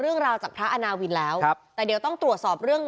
เบื้องต้นมัฆนายกบอกว่าคนร้ายเนี่ยอาจจะเป็นคนในพื้นที่หรือไม่ก็หมู่บ้านใกล้เคียง